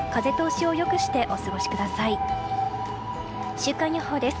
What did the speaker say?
週間予報です。